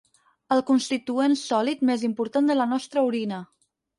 El constituent sòlid més important de la nostra orina.